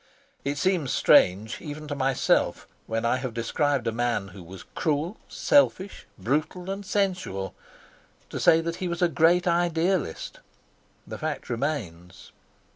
It seems strange even to myself, when I have described a man who was cruel, selfish, brutal and sensual, to say that he was a great idealist. The fact remains.